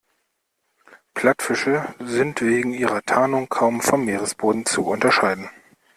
Plattfische sind wegen ihrer Tarnung kaum vom Meeresboden zu unterscheiden.